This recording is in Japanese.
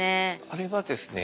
あれはですね